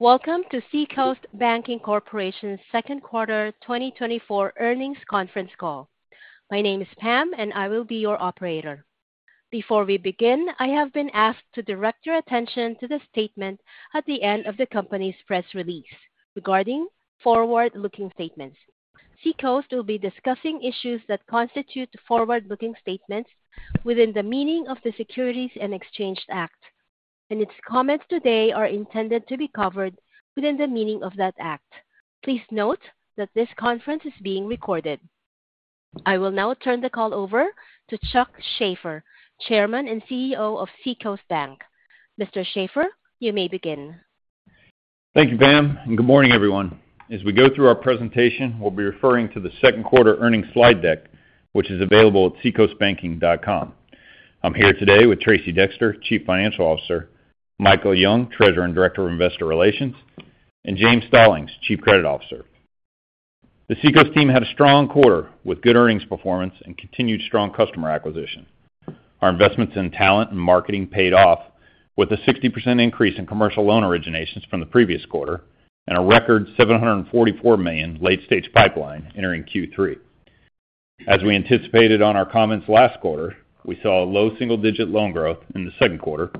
Welcome to Seacoast Banking Corporation's second quarter 2024 earnings conference call. My name is Pam, and I will be your operator. Before we begin, I have been asked to direct your attention to the statement at the end of the company's press release regarding forward-looking statements. Seacoast will be discussing issues that constitute forward-looking statements within the meaning of the Securities and Exchange Act, and its comments today are intended to be covered within the meaning of that act. Please note that this conference is being recorded. I will now turn the call over to Chuck Shaffer, Chairman and CEO of Seacoast Bank. Mr. Shaffer, you may begin. Thank you, Pam, and good morning, everyone. As we go through our presentation, we'll be referring to the second quarter earnings slide deck, which is available at seacoastbanking.com. I'm here today with Tracey Dexter, Chief Financial Officer, Michael Young, Treasurer and Director of Investor Relations, and James Stallings, Chief Credit Officer. The Seacoast team had a strong quarter with good earnings performance and continued strong customer acquisition. Our investments in talent and marketing paid off, with a 60% increase in commercial loan originations from the previous quarter and a record $744 million late-stage pipeline entering Q3. As we anticipated on our comments last quarter, we saw a low single-digit loan growth in the second quarter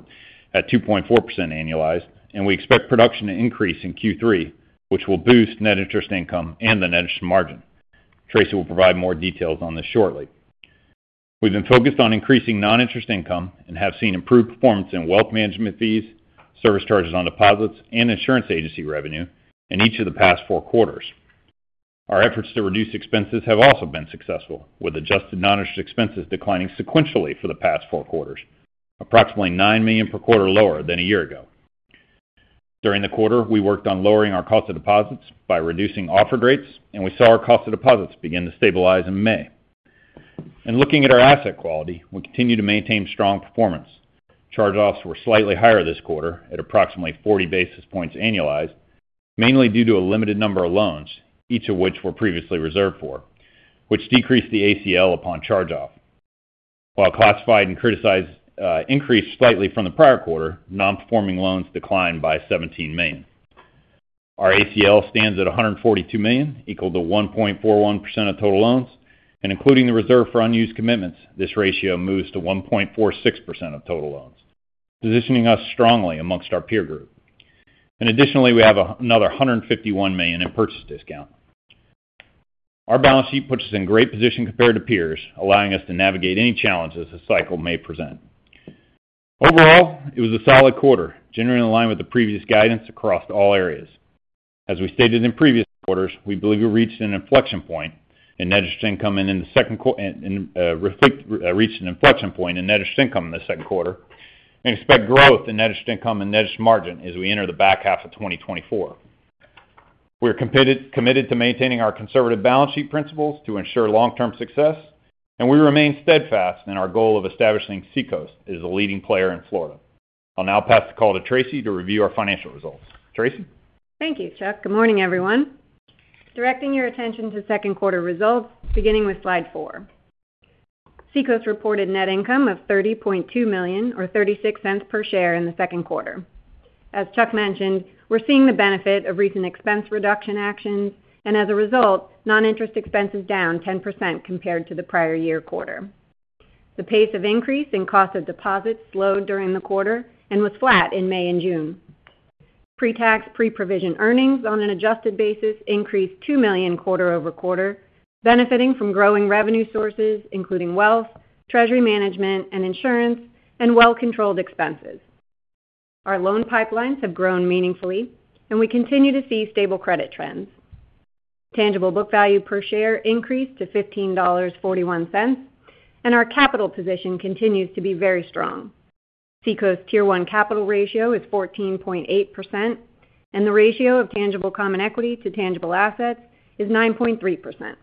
at 2.4% annualized, and we expect production to increase in Q3, which will boost net interest income and the net interest margin. Tracey will provide more details on this shortly. We've been focused on increasing non-interest income and have seen improved performance in wealth management fees, service charges on deposits, and insurance agency revenue in each of the past four quarters. Our efforts to reduce expenses have also been successful, with adjusted non-interest expenses declining sequentially for the past four quarters, approximately $9 million per quarter lower than a year ago. During the quarter, we worked on lowering our cost of deposits by reducing offered rates, and we saw our cost of deposits begin to stabilize in May. In looking at our asset quality, we continue to maintain strong performance. Charge-offs were slightly higher this quarter at approximately 40 basis points annualized, mainly due to a limited number of loans, each of which were previously reserved for, which decreased the ACL upon charge-off. While classified and criticized increased slightly from the prior quarter, non-performing loans declined by $17 million. Our ACL stands at $142 million, equal to 1.41% of total loans, and including the reserve for unused commitments, this ratio moves to 1.46% of total loans, positioning us strongly amongst our peer group. Additionally, we have another $151 million in purchase discount. Our balance sheet puts us in great position compared to peers, allowing us to navigate any challenges the cycle may present. Overall, it was a solid quarter, generally in line with the previous guidance across all areas. As we stated in previous quarters, we believe we reached an inflection point in net interest income in the second quarter and expect growth in net interest income and net interest margin as we enter the back half of 2024. We're committed to maintaining our conservative balance sheet principles to ensure long-term success, and we remain steadfast in our goal of establishing Seacoast as a leading player in Florida. I'll now pass the call to Tracey to review our financial results. Tracey? Thank you, Chuck. Good morning, everyone. Directing your attention to second quarter results, beginning with Slide four. Seacoast reported net income of $30.2 million, or $0.36 per share in the second quarter. As Chuck mentioned, we're seeing the benefit of recent expense reduction actions, and as a result, non-interest expense is down 10% compared to the prior year quarter. The pace of increase in cost of deposits slowed during the quarter and was flat in May and June. Pre-tax, pre-provision earnings on an adjusted basis increased $2 million quarter-over-quarter, benefiting from growing revenue sources, including wealth, treasury management, and insurance, and well-controlled expenses. Our loan pipelines have grown meaningfully, and we continue to see stable credit trends. Tangible book value per share increased to $15.41, and our capital position continues to be very strong. Seacoast Tier One Capital ratio is 14.8%, and the ratio of tangible common equity to tangible assets is 9.3%.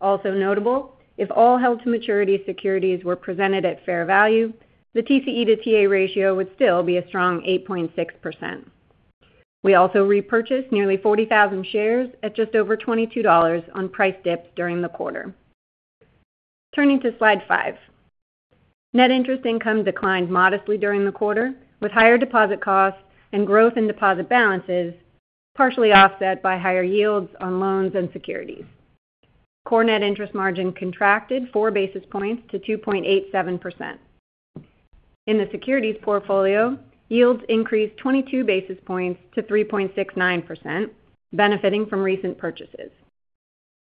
Also notable, if all Held-to-Maturity securities were presented at fair value, the TCE to TA ratio would still be a strong 8.6%. We also repurchased nearly 40,000 shares at just over $22 on price dips during the quarter. Turning to Slide five. Net Interest Income declined modestly during the quarter, with higher deposit costs and growth in deposit balances, partially offset by higher yields on loans and securities. Core Net Interest Margin contracted four basis points to 2.87%. In the securities portfolio, yields increased 22 basis points to 3.69%, benefiting from recent purchases.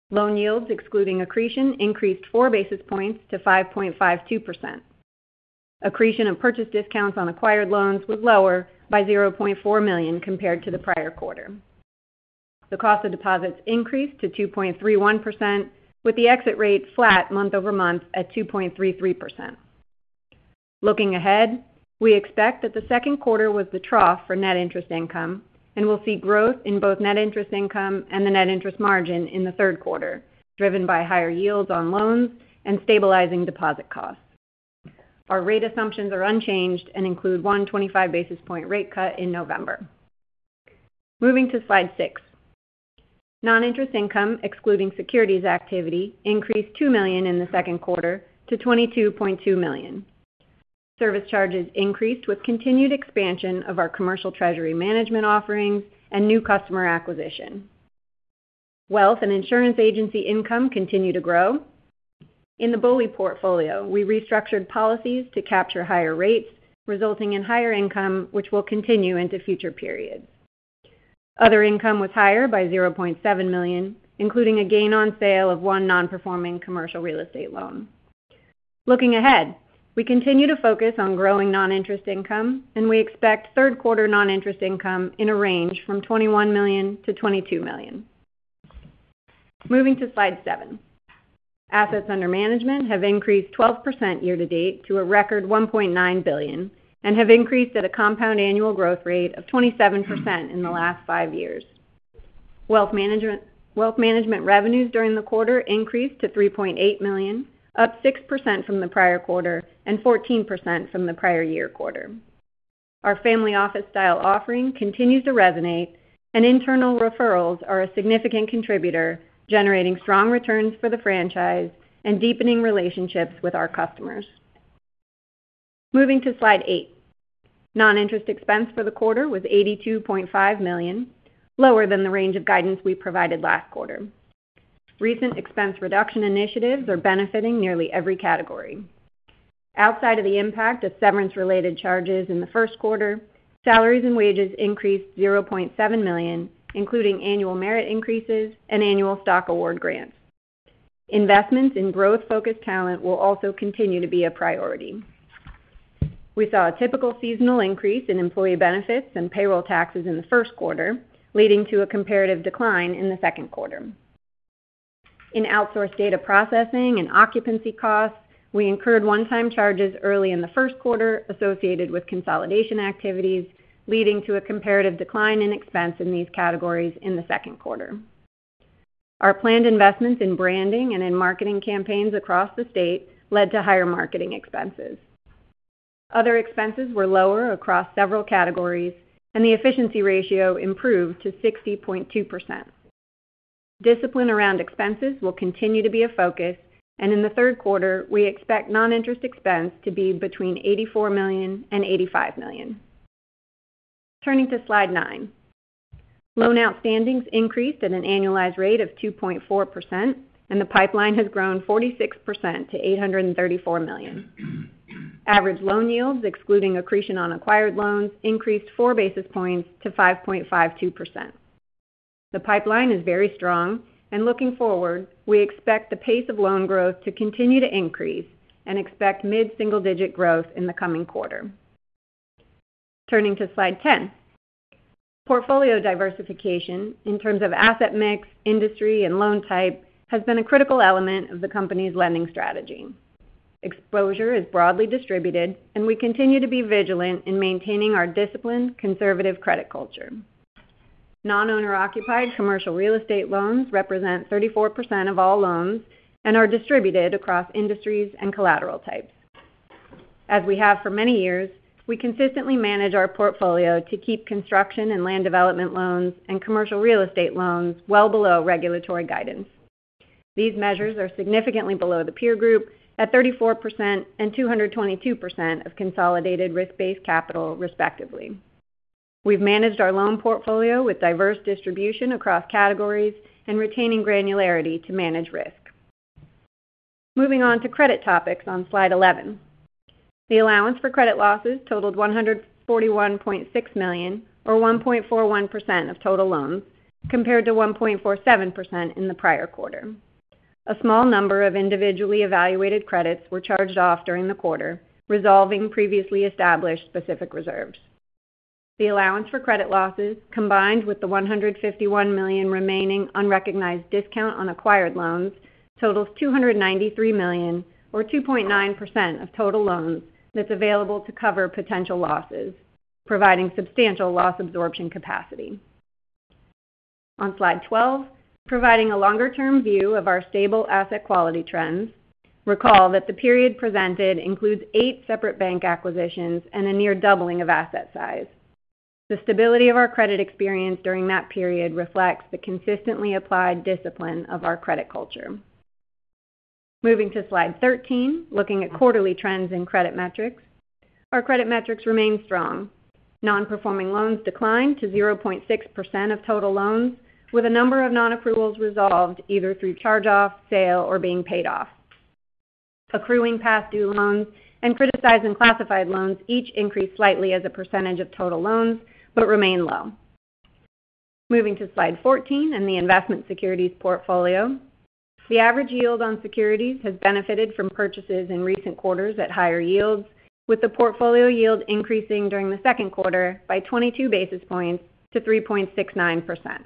Loan yields, excluding accretion, increased four basis points to 5.52%. Accretion of purchase discounts on acquired loans was lower by $0.4 million compared to the prior quarter. The cost of deposits increased to 2.31%, with the exit rate flat month-over-month at 2.33%. Looking ahead, we expect that the second quarter was the trough for net interest income and will see growth in both net interest income and the net interest margin in the third quarter, driven by higher yields on loans and stabilizing deposit costs. Our rate assumptions are unchanged and include 125 basis point rate cut in November. Moving to Slide six. Non-interest income, excluding securities activity, increased $2 million in the second quarter to $22.2 million. Service charges increased with continued expansion of our commercial treasury management offerings and new customer acquisition. Wealth and insurance agency income continued to grow. In the BOLI portfolio, we restructured policies to capture higher rates, resulting in higher income, which will continue into future periods. Other income was higher by $0.7 million, including a gain on sale of one non-performing commercial real estate loan. Looking ahead, we continue to focus on growing non-interest income, and we expect third quarter non-interest income in a range from $21 million-$22 million. Moving to Slide seven. Assets under management have increased 12% year-to-date to a record $1.9 billion, and have increased at a compound annual growth rate of 27% in the last five years. Wealth management, wealth management revenues during the quarter increased to $3.8 million, up 6% from the prior quarter and 14% from the prior year quarter. Our family office style offering continues to resonate, and internal referrals are a significant contributor, generating strong returns for the franchise and deepening relationships with our customers. Moving to Slide eight. Non-interest expense for the quarter was $82.5 million, lower than the range of guidance we provided last quarter. Recent expense reduction initiatives are benefiting nearly every category. Outside of the impact of severance-related charges in the first quarter, salaries and wages increased $0.7 million, including annual merit increases and annual stock award grants. Investments in growth-focused talent will also continue to be a priority. We saw a typical seasonal increase in employee benefits and payroll taxes in the first quarter, leading to a comparative decline in the second quarter. In outsourced data processing and occupancy costs, we incurred one-time charges early in the first quarter associated with consolidation activities, leading to a comparative decline in expense in these categories in the second quarter. Our planned investments in branding and in marketing campaigns across the state led to higher marketing expenses. Other expenses were lower across several categories, and the efficiency ratio improved to 60.2%. Discipline around expenses will continue to be a focus, and in the third quarter, we expect non-interest expense to be between $84 million and $85 million. Turning to Slide nine. Loan outstandings increased at an annualized rate of 2.4%, and the pipeline has grown 46% to $834 million. Average loan yields, excluding accretion on acquired loans, increased four basis points to 5.52%. The pipeline is very strong, and looking forward, we expect the pace of loan growth to continue to increase and expect mid-single-digit growth in the coming quarter. Turning to Slide 10. Portfolio diversification in terms of asset mix, industry, and loan type has been a critical element of the company's lending strategy. Exposure is broadly distributed, and we continue to be vigilant in maintaining our disciplined, conservative credit culture. Non-owner-occupied commercial real estate loans represent 34% of all loans and are distributed across industries and collateral types. As we have for many years, we consistently manage our portfolio to keep construction and land development loans and commercial real estate loans well below regulatory guidance. These measures are significantly below the peer group at 34% and 222% of consolidated risk-based capital, respectively. We've managed our loan portfolio with diverse distribution across categories and retaining granularity to manage risk. Moving on to credit topics on Slide 11. The allowance for credit losses totaled $141.6 million, or 1.41% of total loans, compared to 1.47% in the prior quarter. A small number of individually evaluated credits were charged off during the quarter, resolving previously established specific reserves. The allowance for credit losses, combined with the $151 million remaining unrecognized discount on acquired loans, totals $293 million, or 2.9% of total loans, that's available to cover potential losses, providing substantial loss absorption capacity. On Slide 12, providing a longer-term view of our stable asset quality trends, recall that the period presented includes 8 separate bank acquisitions and a near doubling of asset size. The stability of our credit experience during that period reflects the consistently applied discipline of our credit culture. Moving to Slide 13, looking at quarterly trends in credit metrics. Our credit metrics remain strong. Nonperforming loans declined to 0.6% of total loans, with a number of nonaccruals resolved either through charge-off, sale, or being paid off. Accruing past due loans and criticized and classified loans each increased slightly as a percentage of total loans, but remain low. Moving to Slide 14 and the investment securities portfolio. The average yield on securities has benefited from purchases in recent quarters at higher yields, with the portfolio yield increasing during the second quarter by 22 basis points to 3.69%.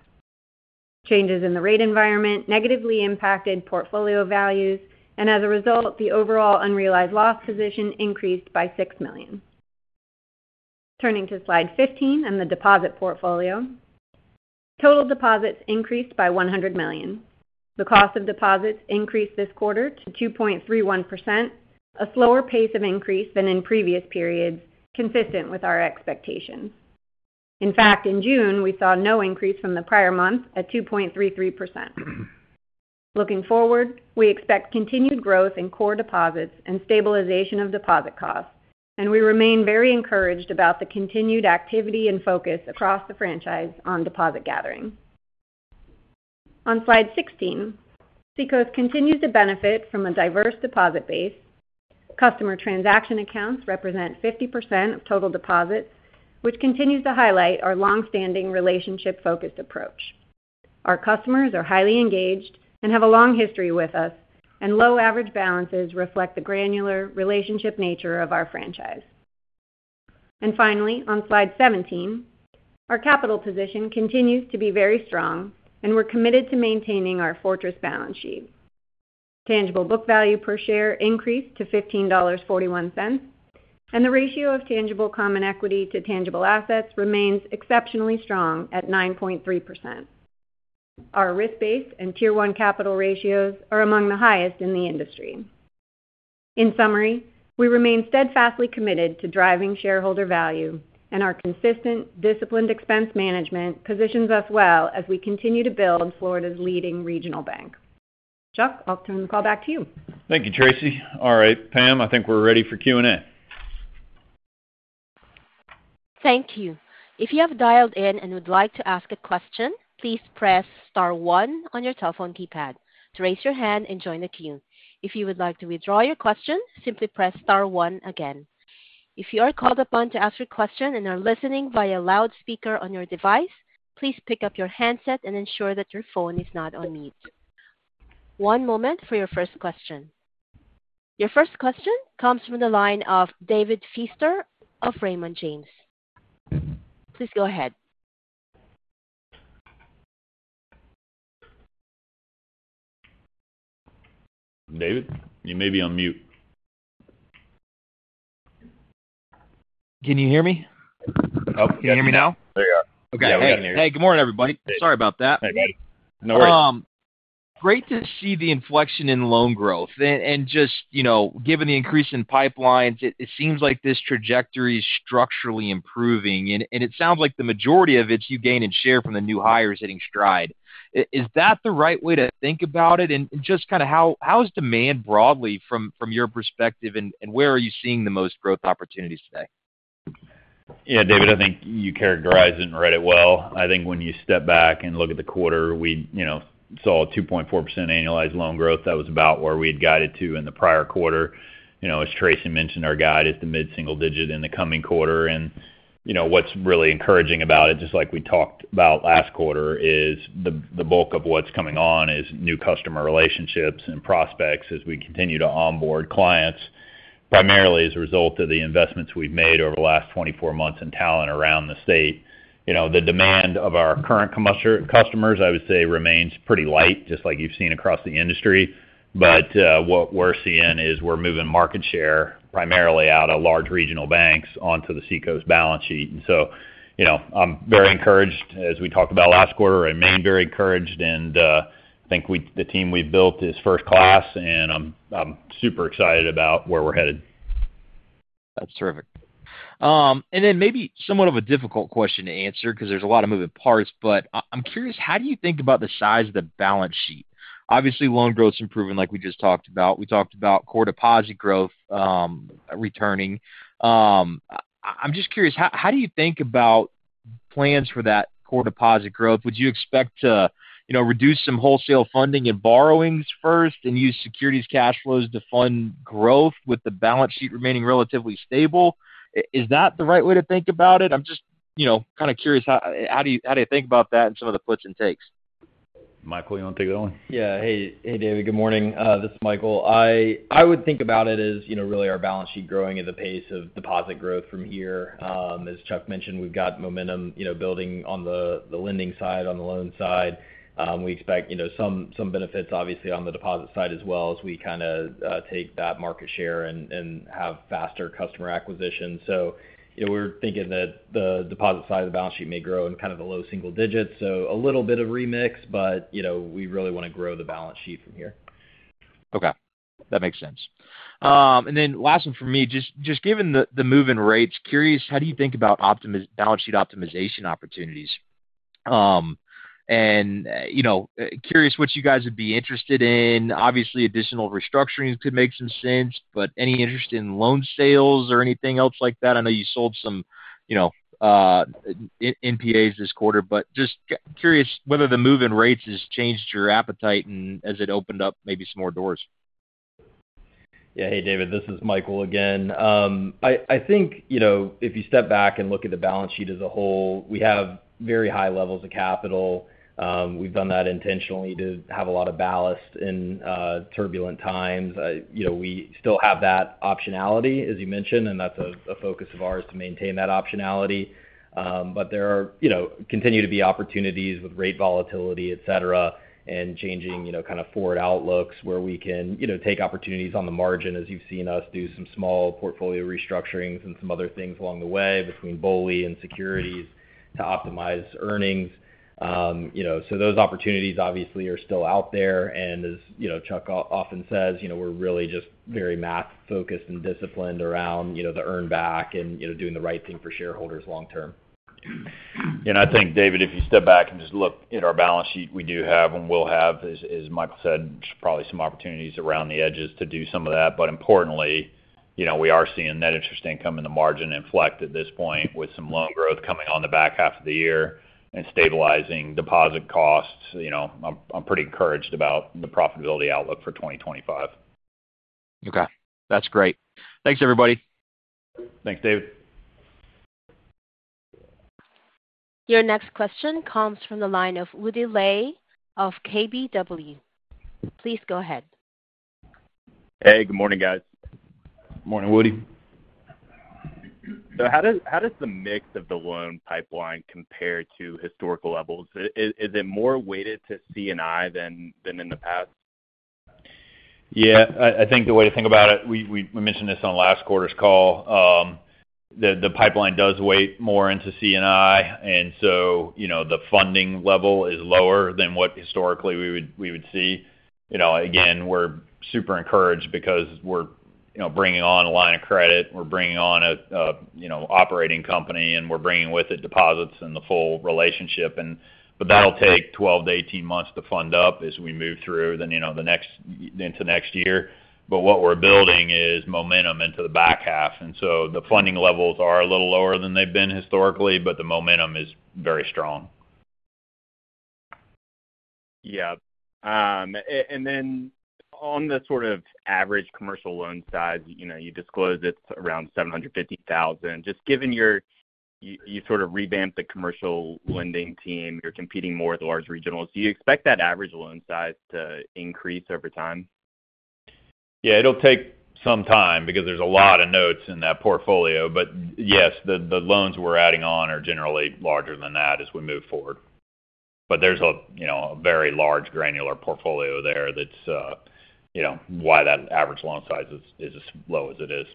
Changes in the rate environment negatively impacted portfolio values, and as a result, the overall unrealized loss position increased by $6 million. Turning to Slide 15 and the deposit portfolio. Total deposits increased by $100 million. The cost of deposits increased this quarter to 2.31%, a slower pace of increase than in previous periods, consistent with our expectations. In fact, in June, we saw no increase from the prior month at 2.33%. Looking forward, we expect continued growth in core deposits and stabilization of deposit costs, and we remain very encouraged about the continued activity and focus across the franchise on deposit gathering. On Slide 16, Seacoast continues to benefit from a diverse deposit base. Customer transaction accounts represent 50% of total deposits, which continues to highlight our long-standing relationship-focused approach. Our customers are highly engaged and have a long history with us, and low average balances reflect the granular relationship nature of our franchise. Finally, on Slide 17, our capital position continues to be very strong, and we're committed to maintaining our fortress balance sheet. Tangible book value per share increased to $15.41, and the ratio of Tangible Common Equity to Tangible Assets remains exceptionally strong at 9.3%. Our risk base and Tier One Capital ratios are among the highest in the industry. In summary, we remain steadfastly committed to driving shareholder value, and our consistent, disciplined expense management positions us well as we continue to build Florida's leading regional bank. Chuck, I'll turn the call back to you. Thank you, Tracey. All right, Pam, I think we're ready for Q&A. Thank you. If you have dialed in and would like to ask a question, please press star one on your telephone keypad to raise your hand and join the queue. If you would like to withdraw your question, simply press star one again. If you are called upon to ask a question and are listening via loudspeaker on your device, please pick up your handset and ensure that your phone is not on mute. One moment for your first question. Your first question comes from the line of David Feaster of Raymond James. Please go ahead. David, you may be on mute. Can you hear me? Oh, yep. Can you hear me now? There you are. Okay. Yeah, we can hear you. Hey, good morning, everybody. Sorry about that. Hey, buddy. No worries. Great to see the inflection in loan growth. And just, you know, given the increase in pipelines, it seems like this trajectory is structurally improving, and it sounds like the majority of it you gain in share from the new hires hitting stride. Is that the right way to think about it? And just kinda how is demand broadly from your perspective, and where are you seeing the most growth opportunities today? Yeah, David, I think you characterized it and read it well. I think when you step back and look at the quarter, we, you know, saw a 2.4% annualized loan growth. That was about where we had guided to in the prior quarter. You know, as Tracey mentioned, our guide is the mid-single digit in the coming quarter. And, you know, what's really encouraging about it, just like we talked about last quarter, is the bulk of what's coming on is new customer relationships and prospects as we continue to onboard clients, primarily as a result of the investments we've made over the last 24 months in talent around the state. You know, the demand of our current customers, I would say, remains pretty light, just like you've seen across the industry. But, what we're seeing is we're moving market share primarily out of large regional banks onto the Seacoast balance sheet. And so, you know, I'm very encouraged, as we talked about last quarter, I remain very encouraged, and think we the team we've built is first class, and I'm, I'm super excited about where we're headed. That's terrific. Then maybe somewhat of a difficult question to answer because there's a lot of moving parts, but I'm curious, how do you think about the size of the balance sheet? Obviously, loan growth's improving, like we just talked about. We talked about core deposit growth, returning. I'm just curious, how do you think about plans for that core deposit growth? Would you expect to, you know, reduce some wholesale funding and borrowings first and use securities cash flows to fund growth with the balance sheet remaining relatively stable? Is that the right way to think about it? I'm just, you know, kind of curious, how do you think about that and some of the puts and takes? Michael, you want to take that one? Yeah. Hey, hey, David, good morning. This is Michael. I would think about it as, you know, really our balance sheet growing at the pace of deposit growth from here. As Chuck mentioned, we've got momentum, you know, building on the, the lending side, on the loan side. We expect, you know, some, some benefits, obviously, on the deposit side as well, as we kinda take that market share and, and have faster customer acquisition. So we're thinking that the deposit side of the balance sheet may grow in kind of the low single digits, so a little bit of remix, but, you know, we really wanna grow the balance sheet from here. Okay, that makes sense. And then last one for me, just given the move in rates, curious, how do you think about optimizing balance sheet optimization opportunities? And, you know, curious what you guys would be interested in. Obviously, additional restructurings could make some sense, but any interest in loan sales or anything else like that? I know you sold some, you know, NPAs this quarter, but just curious whether the move in rates has changed your appetite and as it opened up maybe some more doors. Yeah. Hey, David, this is Michael again. I think, you know, if you step back and look at the balance sheet as a whole, we have very high levels of capital. We've done that intentionally to have a lot of ballast in turbulent times. You know, we still have that optionality, as you mentioned, and that's a focus of ours to maintain that optionality. But there are, you know, continue to be opportunities with rate volatility, et cetera, and changing, you know, kind of forward outlooks where we can, you know, take opportunities on the margin, as you've seen us do some small portfolio restructurings and some other things along the way between BOLI and securities to optimize earnings. You know, so those opportunities obviously are still out there. As you know, Chuck often says, you know, we're really just very math-focused and disciplined around, you know, the earn back and, you know, doing the right thing for shareholders long term. And I think, David, if you step back and just look at our balance sheet, we do have and will have, as Michael said, just probably some opportunities around the edges to do some of that. But importantly, you know, we are seeing net interest income in the margin inflect at this point, with some loan growth coming on the back half of the year and stabilizing deposit costs. You know, I'm pretty encouraged about the profitability outlook for 2025. Okay, that's great. Thanks, everybody. Thanks, David. Your next question comes from the line of Woody Lay of KBW. Please go ahead. Hey, good morning, guys. Morning, Woody. So how does the mix of the loan pipeline compare to historical levels? Is it more weighted to C&I than in the past? Yeah, I think the way to think about it, we mentioned this on last quarter's call, the pipeline does weigh more into C&I, and so, you know, the funding level is lower than what historically we would see. You know, again, we're super encouraged because we're, you know, bringing on a line of credit, we're bringing on a, you know, operating company, and we're bringing with it deposits and the full relationship. But that'll take 12-18 months to fund up as we move through then, you know, the next into next year. But what we're building is momentum into the back half, and so the funding levels are a little lower than they've been historically, but the momentum is very strong. Yeah. And then on the sort of average commercial loan size, you know, you disclosed it's around $750,000. Just given you sort of revamped the commercial lending team, you're competing more with the large regionals, do you expect that average loan size to increase over time? Yeah, it'll take some time because there's a lot of notes in that portfolio. But yes, the loans we're adding on are generally larger than that as we move forward. But there's, you know, a very large granular portfolio there that's, you know, why that average loan size is as low as it is.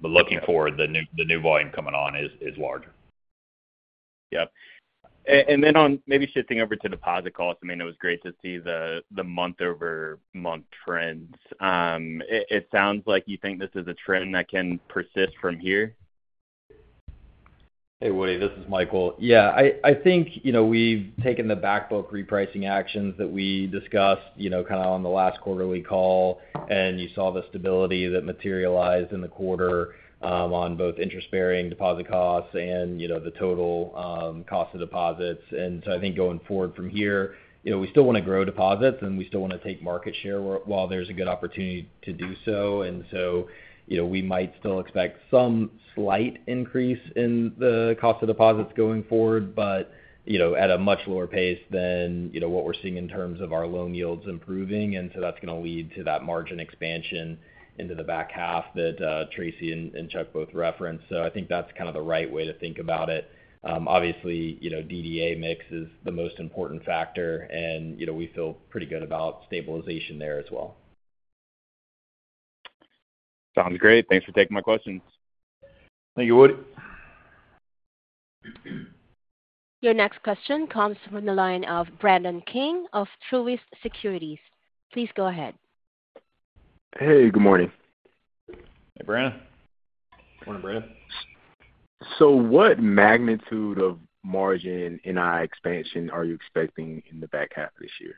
But looking forward, the new volume coming on is larger. Yep. And then on maybe shifting over to deposit costs, I mean, it was great to see the month-over-month trends. It sounds like you think this is a trend that can persist from here? Hey, Woody, this is Michael. Yeah, I think, you know, we've taken the back book repricing actions that we discussed, you know, kind of on the last quarterly call, and you saw the stability that materialized in the quarter on both interest-bearing deposit costs and, you know, the total cost of deposits. And so I think going forward from here, you know, we still want to grow deposits, and we still want to take market share while there's a good opportunity to do so. And so, you know, we might still expect some slight increase in the cost of deposits going forward, but, you know, at a much lower pace than, you know, what we're seeing in terms of our loan yields improving. And so that's going to lead to that margin expansion into the back half that Tracey and Chuck both referenced. I think that's kind of the right way to think about it. Obviously, you know, DDA mix is the most important factor, and, you know, we feel pretty good about stabilization there as well. Sounds great. Thanks for taking my questions. Thank you, Woody. Your next question comes from the line of Brandon King of Truist Securities. Please go ahead. Hey, good morning. Hey, Brandon. Morning, Brandon. What magnitude of margin NI expansion are you expecting in the back half of this year?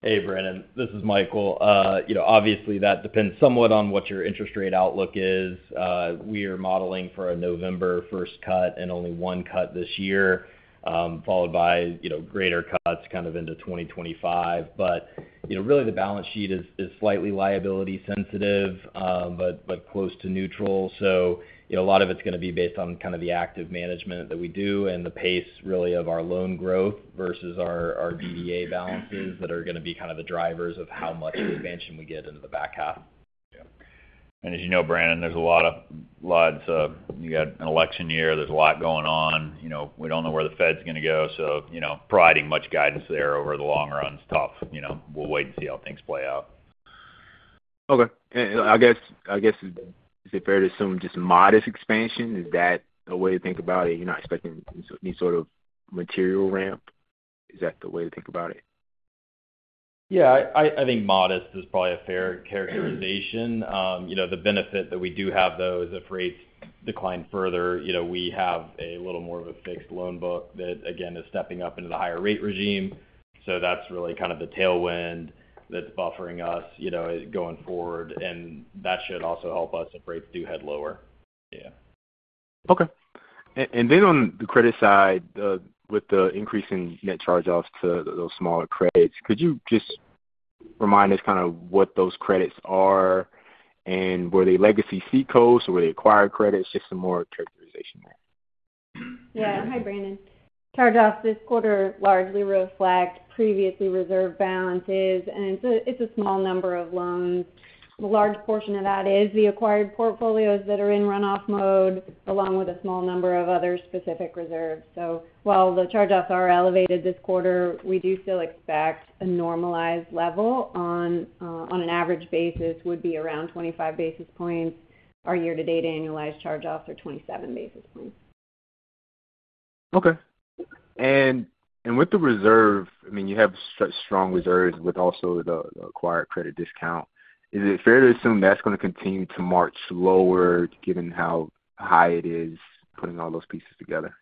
Hey, Brandon, this is Michael. You know, obviously, that depends somewhat on what your interest rate outlook is. We are modeling for a November first cut and only one cut this year, followed by, you know, greater cuts kind of into 2025. But, you know, really, the balance sheet is slightly liability sensitive, but close to neutral. So, you know, a lot of it's going to be based on kind of the active management that we do and the pace really of our loan growth versus our DDA balances that are going to be kind of the drivers of how much expansion we get into the back half. As you know, Brandon, you got an election year, there's a lot going on. You know, we don't know where the Fed's going to go, so, you know, providing much guidance there over the long run is tough. You know, we'll wait and see how things play out. Okay. I guess, is it fair to assume just modest expansion? Is that a way to think about it? You're not expecting any sort of material ramp? Is that the way to think about it? Yeah, I think modest is probably a fair characterization. You know, the benefit that we do have, though, is if rates decline further, you know, we have a little more of a fixed loan book that, again, is stepping up into the higher rate regime. So that's really kind of the tailwind that's buffering us, you know, going forward, and that should also help us if rates do head lower. Yeah. Okay. And then on the credit side, with the increase in net charge-offs to those smaller credits, could you just remind us kind of what those credits are, and were they legacy Seacoast or were they acquired credits? Just some more characterization there. Yeah. Hi, Brandon. Charge-offs this quarter largely reflect previously reserved balances, and it's a small number of loans. A large portion of that is the acquired portfolios that are in run-off mode, along with a small number of other specific reserves. So while the charge-offs are elevated this quarter, we do still expect a normalized level on an average basis, would be around 25 basis points. Our year-to-date annualized charge-offs are 27 basis points. Okay. And with the reserve, I mean, you have such strong reserves with also the acquired credit discount. Is it fair to assume that's going to continue to march lower, given how high it is, putting all those pieces together?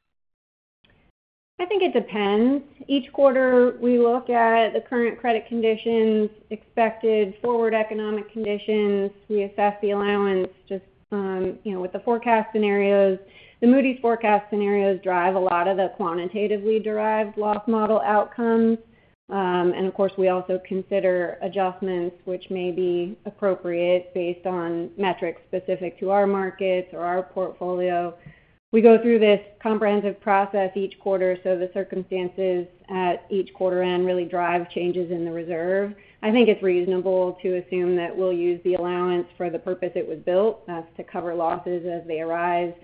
I think it depends. Each quarter, we look at the current credit conditions, expected forward economic conditions. We assess the allowance just, you know, with the forecast scenarios. The Moody's forecast scenarios drive a lot of the quantitatively derived loss model outcomes. And of course, we also consider adjustments which may be appropriate based on metrics specific to our markets or our portfolio. We go through this comprehensive process each quarter, so the circumstances at each quarter end really drive changes in the reserve. I think it's reasonable to assume that we'll use the allowance for the purpose it was built, that's to cover losses as they arise.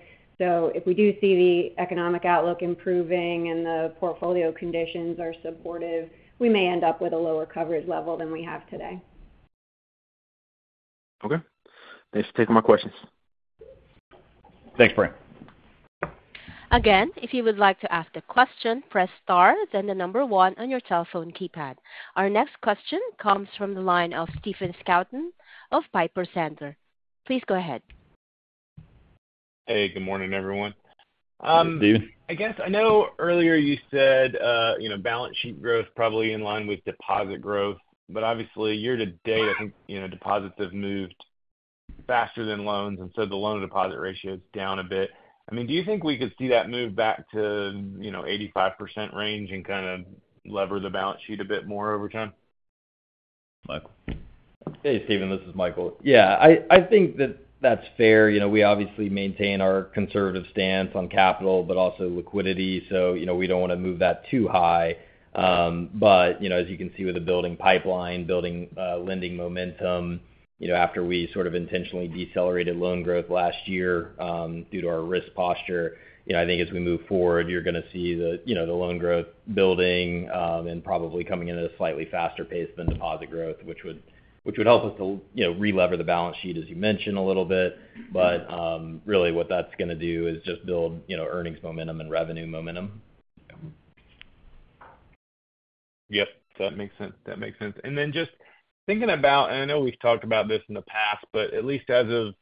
So if we do see the economic outlook improving and the portfolio conditions are supportive, we may end up with a lower coverage level than we have today. Okay. Thanks for taking my questions. Thanks, Brandon. Again, if you would like to ask a question, press star, then the number one on your telephone keypad. Our next question comes from the line of Stephen Scouten of Piper Sandler. Please go ahead. Hey, good morning, everyone. Stephen. I guess I know earlier you said, you know, balance sheet growth probably in line with deposit growth, but obviously year to date, I think, you know, deposits have moved faster than loans, and so the loan deposit ratio is down a bit. I mean, do you think we could see that move back to, you know, 85% range and kind of lever the balance sheet a bit more over time? Michael? Hey, Stephen, this is Michael. Yeah, I, I think that that's fair. You know, we obviously maintain our conservative stance on capital but also liquidity, so, you know, we don't wanna move that too high. But you know, as you can see with the building pipeline, building, lending momentum, you know, after we sort of intentionally decelerated loan growth last year, due to our risk posture, you know, I think as we move forward, you're gonna see the, you know, the loan growth building, and probably coming in at a slightly faster pace than deposit growth, which would, which would help us to, you know, relever the balance sheet, as you mentioned, a little bit. But, really, what that's gonna do is just build, you know, earnings momentum and revenue momentum. Yep, that makes sense. That makes sense. And then just thinking about, and I know we've talked about this in the past, but at least as of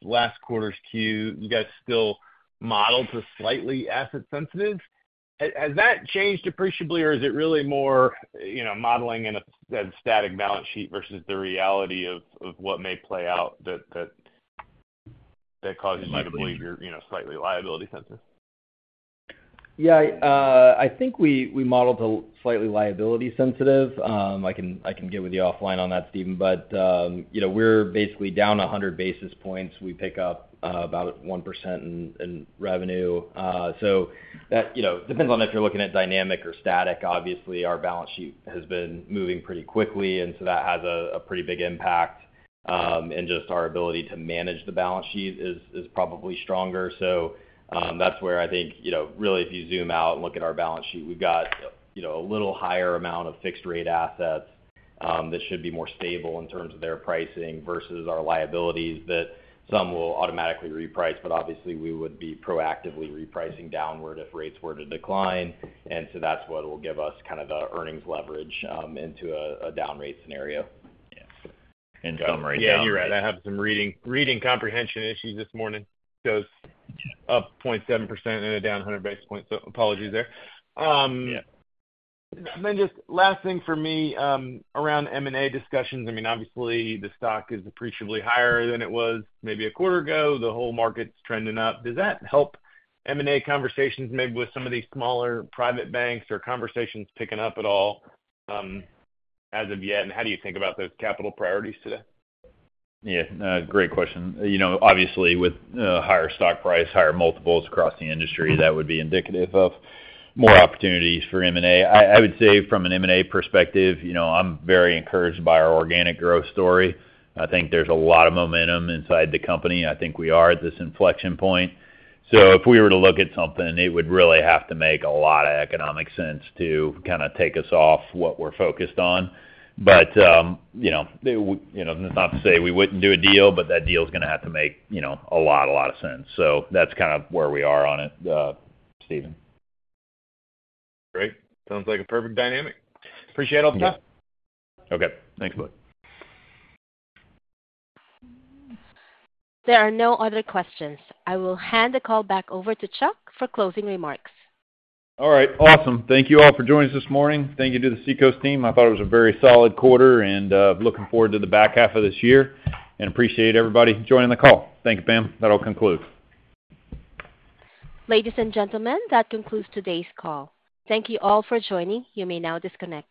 last quarter's Q, you guys still modeled to slightly asset sensitive. Has that changed appreciably, or is it really more, you know, modeling in a static balance sheet versus the reality of what may play out that causes you to believe you're, you know, slightly liability sensitive? Yeah, I think we modeled it slightly liability sensitive. I can get with you offline on that, Stephen. But, you know, we're basically down 100 basis points. We pick up about 1% in revenue. So that, you know, depends on if you're looking at dynamic or static. Obviously, our balance sheet has been moving pretty quickly, and so that has a pretty big impact. And just our ability to manage the balance sheet is probably stronger. So, that's where I think, you know, really, if you zoom out and look at our balance sheet, we've got, you know, a little higher amount of fixed rate assets, that should be more stable in terms of their pricing versus our liabilities, that some will automatically reprice, but obviously, we would be proactively repricing downward if rates were to decline. And so that's what will give us kind of the earnings leverage, into a down rate scenario. Yes. In summary- Yeah, you're right. I have some reading, reading comprehension issues this morning. Goes up 0.7% and then down 100 basis points, so apologies there. Yeah. Then, just last thing for me, around M&A discussions. I mean, obviously, the stock is appreciably higher than it was maybe a quarter ago. The whole market's trending up. Does that help M&A conversations, maybe with some of these smaller private banks or conversations picking up at all, as of yet, and how do you think about those capital priorities today? Yeah, great question. You know, obviously, with higher stock price, higher multiples across the industry, that would be indicative of more opportunities for M&A. I would say from an M&A perspective, you know, I'm very encouraged by our organic growth story. I think there's a lot of momentum inside the company. I think we are at this inflection point. So if we were to look at something, it would really have to make a lot of economic sense to kind of take us off what we're focused on. But, you know, you know, that's not to say we wouldn't do a deal, but that deal is gonna have to make, you know, a lot, a lot of sense. So that's kind of where we are on it, Stephen. Great. Sounds like a perfect dynamic. Appreciate all the time. Okay. Thanks a lot. There are no other questions. I will hand the call back over to Chuck for closing remarks. All right. Awesome. Thank you all for joining us this morning. Thank you to the Seacoast team. I thought it was a very solid quarter and, looking forward to the back half of this year, and appreciate everybody joining the call. Thank you, Pam. That'll conclude. Ladies and gentlemen, that concludes today's call. Thank you all for joining. You may now disconnect.